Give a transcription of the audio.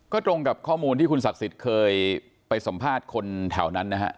ก็ตรงกับข้อมูลที่คุณศักดิ์สิทธิ์เคยไปสัมภาษณ์คนแถวนั้นนะฮะ